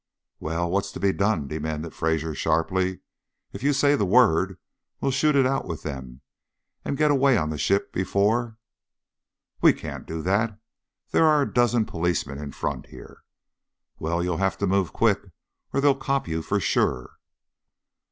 "Well! What's to be done?" demanded Fraser, sharply. "If you say the word, we'll shoot it out with them, and get away on the ship before " "We can't do that there are a dozen policemen in front here." "Well, you'll have to move quick, or they'll 'cop' you, sure."